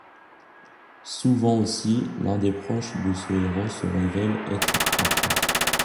Souvent aussi, l'un des proches de ce héros se révèle être un traître.